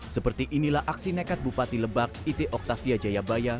seperti inilah aksi nekat bupati lebak iti oktavia jayabaya